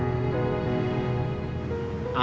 bapak cuma mau kamu jadi orang baik